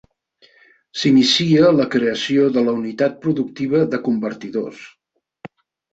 S'inicia la creació de la unitat productiva de convertidors.